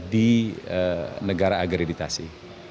di negara agreditasi